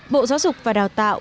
bộ giáo dục và đào tạo